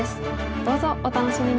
どうぞお楽しみに！